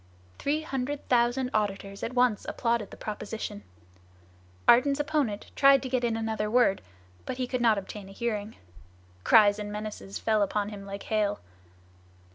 Three hundred thousand auditors at once applauded the proposition. Ardan's opponent tried to get in another word, but he could not obtain a hearing. Cries and menaces fell upon him like hail.